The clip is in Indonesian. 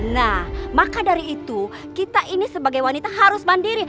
nah maka dari itu kita ini sebagai wanita harus mandiri